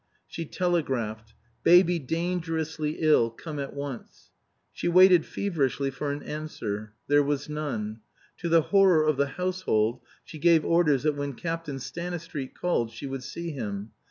She telegraphed: "Baby dangerously ill. Come at once." She waited feverishly for an answer. There was none. To the horror of the household, she gave orders that when Captain Stanistreet called she would see him.